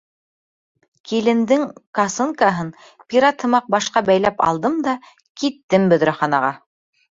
Килендең косынкаһын пират һымаҡ башҡа бәйләп алдым да киттем бөҙрәханаға.